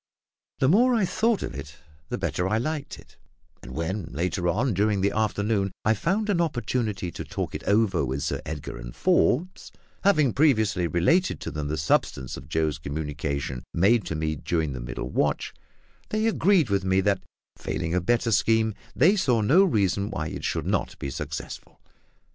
The more I thought of it, the better I liked it; and when, later on, during the forenoon, I found an opportunity to talk it over with Sir Edgar and Forbes having previously related to them the substance of Joe's communication made to me during the middle watch they agreed with me that, failing a better scheme, they saw no reason why it should not be successful.